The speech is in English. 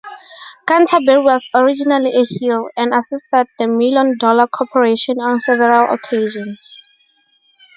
Canterbury was originally a heel, and assisted the Million Dollar Corporation on several occasions.